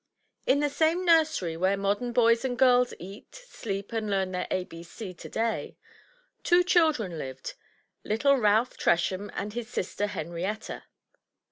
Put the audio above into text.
In the same nursery where modem boys and girls eat, sleep, and leam their A, B, C to day, two children lived — ^little Ralph Tresham and his sister Henrietta.